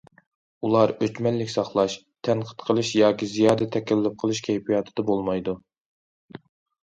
ئۇلار ئۆچمەنلىك ساقلاش، تەنقىد قىلىش ياكى زىيادە تەكەللۇپ قىلىش كەيپىياتىدا بولمايدۇ.